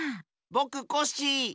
ぼくコッシー！